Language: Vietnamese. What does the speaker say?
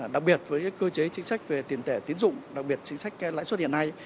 đặc biệt với cơ chế chính sách về tiền tệ tiến dụng đặc biệt chính sách lãi suất hiện nay